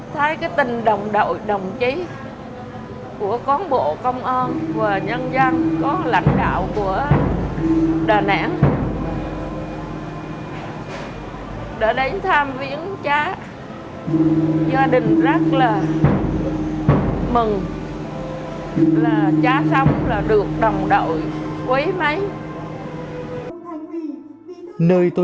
thay cái tình đồng đội đồng chí của công an và nhân dân có lãnh đạo của đòi nản đã đến tham viên cha gia đình rác lờ